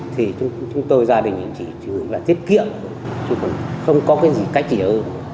thì chúng tôi gia đình thì chỉ là tiết kiệm thôi chứ còn không có cái gì cách gì ơ